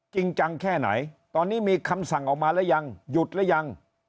จริงจังแค่ไหนตอนนี้มีคำสั่งออกมาหรือยังหยุดหรือยัง